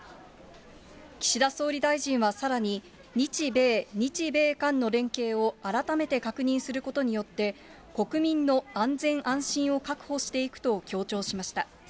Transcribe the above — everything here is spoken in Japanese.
岸田総理大臣はさらに、日米、日米韓の連携を改めて確認することによって、国民の安全安心を確保していくと強調しました。